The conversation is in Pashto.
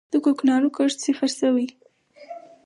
د کوکنارو کښت صفر شوی؟